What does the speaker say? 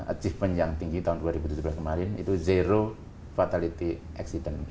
achievement yang tinggi tahun dua ribu tujuh belas kemarin itu zero fatality accident